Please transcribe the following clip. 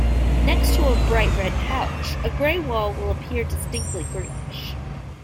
Next to a bright red couch, a gray wall will appear distinctly greenish.